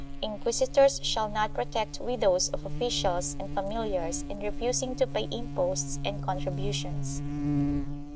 Inquisitors shall not protect widows of officials and familiars in refusing to pay imposts and contributions.